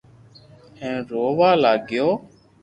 ھين رووا لاگيو